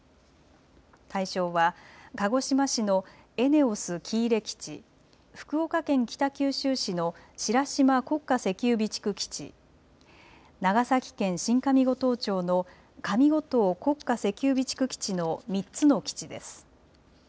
対象は鹿児島市のＥＮＥＯＳ喜入基地、福岡県北九州市の白島国家石油備蓄基地、長崎県新上五島町の上五島国家石油備蓄基地の３つの基地です。